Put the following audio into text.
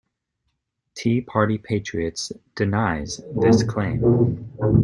Tea Party Patriots denies this claim.